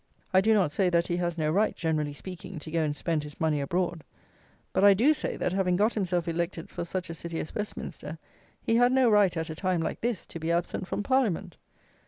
I do not say, that he has no right, generally speaking, to go and spend his money abroad; but, I do say, that having got himself elected for such a city as Westminster, he had no right, at a time like this, to be absent from Parliament.